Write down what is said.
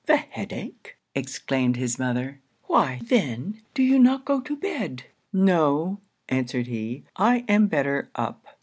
'The head ache!' exclaimed his mother 'Why then do you not go to bed?' 'No,' answered he, 'I am better up.